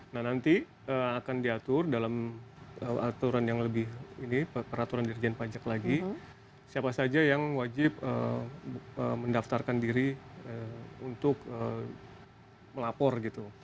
nah nanti akan diatur dalam aturan yang lebih ini peraturan dirjen pajak lagi siapa saja yang wajib mendaftarkan diri untuk melapor gitu